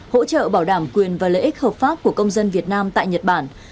hỗ trợ bảo đảm quyền và lợi ích hợp pháp của công dân việt nam tại nhật bản